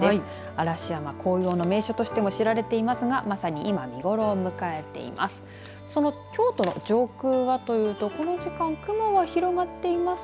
嵐山は紅葉の名所として知られていますがまさに今、見頃を迎えています。